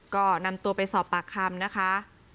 ก็นำตัวไปสอบปากคำนะคะ